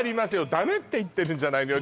ダメって言ってるんじゃないのよ